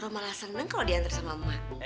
romalah seneng kalau diantar sama mak